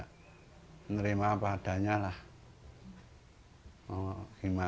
kalo sudah sehat kan bisa kerja sendiri entah nggak merepotkan ibunya